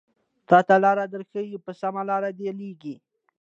تاته لاره درښايې په سمه لاره دې ليږي